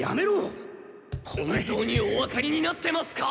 本当におわかりになってますか？